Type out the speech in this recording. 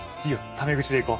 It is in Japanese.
タメ口でいこう。